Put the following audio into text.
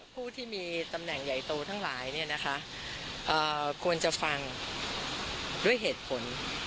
ผู้ที่มีตำแหน่งใหญ่โตทั้งหลายควรจะฟังด้วยเหตุผล